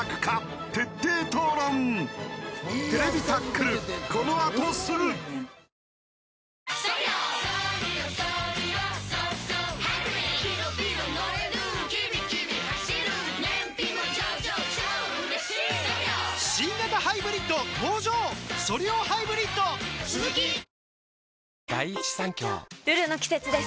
「ルル」の季節です。